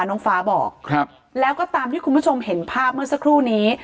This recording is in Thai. น้องฟ้าบอกครับแล้วก็ตามที่คุณผู้ชมเห็นภาพเมื่อสักครู่นี้